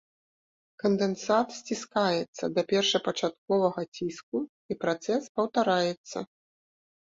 Кандэнсат сціскаецца да першапачатковага ціску і працэс паўтараецца.